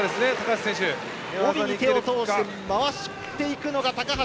帯に手を通して回していくのが高橋。